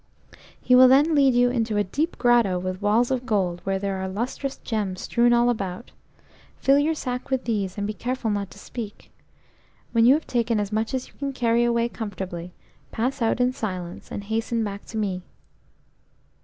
"He will then lead you into a deep grotto with walls of gold, where there are lustrous gems strewn all around. Fill your sack with these, and be careful not to speak. When you have taken as much as you can carry away comfortably, pass out in silence, and hasten back to me."